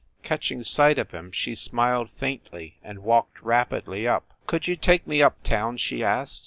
Catching sight of him, she smiled faintly, and walked rapidly up. "Could you take me up town?" she asked.